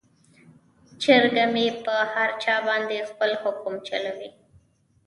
چرګه مې په هر چا باندې خپل حکم چلوي.